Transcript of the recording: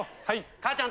母ちゃん。